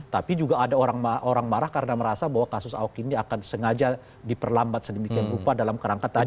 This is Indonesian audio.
tapi juga ada orang marah karena merasa bahwa kasus ahok ini akan sengaja diperlambat sedemikian rupa dalam kerangka tadi